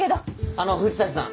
あの藤崎さん。